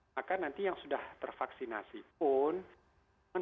maka nanti yang sudah tervaksinasi pun